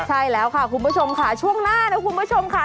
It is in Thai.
ใช่แล้วค่ะคุณผู้ชมค่ะช่วงหน้านะคุณผู้ชมค่ะ